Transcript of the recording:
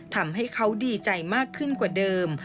ทำให้เขาดีใจมากขึ้นกว่าเดิม